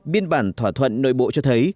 biên bản thỏa thuận nội bộ cho thấy